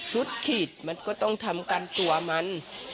สุดขีดมันก็ต้องทำกันตัวมัน